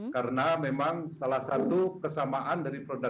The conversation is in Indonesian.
karena memang salah satu kesamaan dari produk